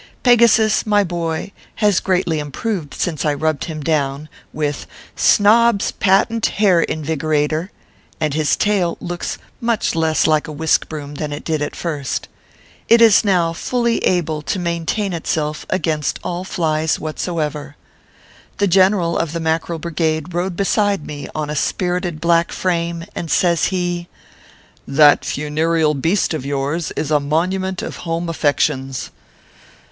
Pegasus, my boy, has greatly improved since I rubbed him down with Snobb s Patent Hair Invigora tor, and his tail looks much less like a whisk broom than it did at first. It is now fully able to maintain 11 242 ORPHEUS C. KERR PAPERS. itself against all flies whatsoever. The general of the Mackerel Brigade rode beside me on a spirited black frame, and says he :" That funereal beast of yours is a monument of the home affections.